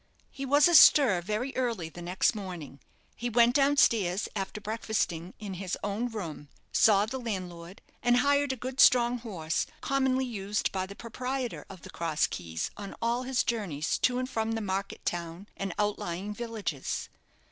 He was astir very early the next morning. He went down stairs, after breakfasting in his own room, saw the landlord, and hired a good strong horse, commonly used by the proprietor of the "Cross Keys" on all his journeys to and from the market town and outlying villages.